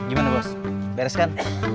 ini bos bereskan